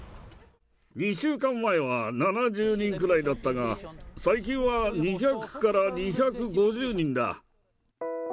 ２週間前は７０人ぐらいだったが、最近は２００から２５０人だ。